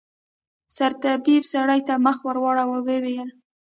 سرطبيب سړي ته مخ واړاوه ويې ويل.